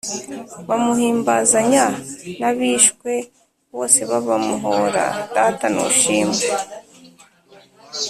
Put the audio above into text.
Bamuhimbazanya n’abishwe bose babamuhora Data nushimwe